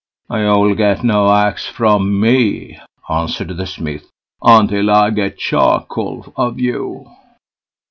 "You'll get no axe from me", answered the Smith, "until I get charcoal of you."